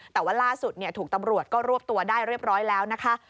แต่ว่าล่าสุดถูกตำรวจก็รวบตัวได้เรียบร้อยแล้วนะคะ